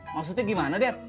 maksudnya gimana dad